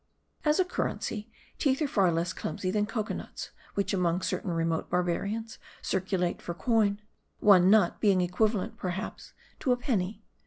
As a currency, teeth are far less clumsy than cocoanuts ; which, among certain remote barbarians, circulate for coin ; one nut be'ing equivalent, perhaps, to a penny.